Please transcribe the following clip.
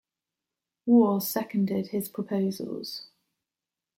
Warre seconded his proposals.